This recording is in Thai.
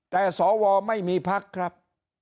แต่สวไม่มีพักครับ